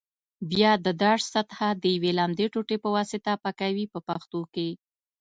بیا د داش سطحه د یوې لمدې ټوټې په واسطه پاکوي په پښتو کې.